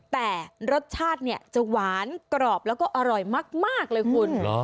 แต่รสชาติเนี่ยจะหวานกรอบแล้วก็อร่อยมากเลยคุณ